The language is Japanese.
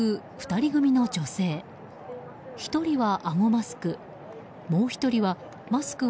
１人は、あごマスク。